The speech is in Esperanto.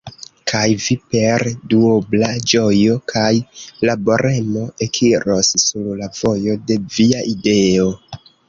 Kaj Vi per duobla ĝojo kaj laboremo ekiros sur la vojo de Via ideo!"